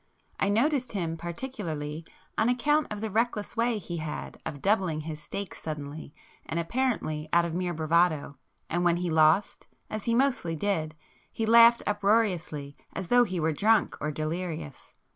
I noticed him particularly on account of the reckless way he had of doubling his stakes suddenly and apparently out of mere bravado, and when he lost, as he mostly did, he laughed uproariously as though he were drunk or delirious.